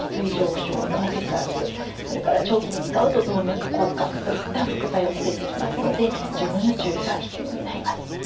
それから長期に使うと動脈硬化といった副作用も出てきますので十分な注意が必要になります。